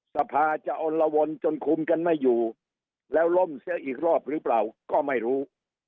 สภาจะอลละวนจนคุมกันไม่อยู่แล้วล่มเสียอีกรอบหรือเปล่าก็ไม่รู้